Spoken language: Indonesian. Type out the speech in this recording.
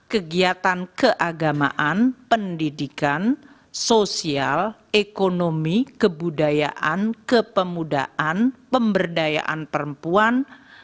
kegiatan keagamaan pendidikan sosial ekonomi kebudayaan kepemudaan pemberdayaan perempuan